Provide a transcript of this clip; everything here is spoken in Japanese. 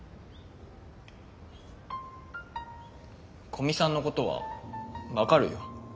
古見さんのことは分かるよ。